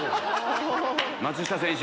松下選手！